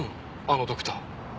あのドクター。